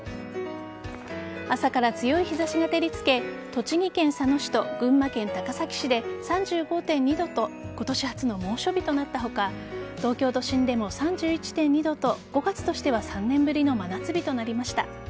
朝から強い日差しが照りつけ栃木県佐野市と群馬県高崎市で３５．２度と今年初の猛暑日となった他東京都心でも３１．２度と５月としては３年ぶりの真夏日となりました。